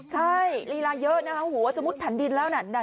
ใช่ลีลาเยอะนะคะหัวจะมุดแผ่นดินแล้วนะ